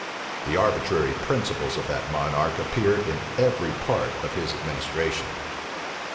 The arbitrary principles of that monarch appear in every part of his administration.